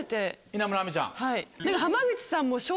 稲村亜美ちゃん。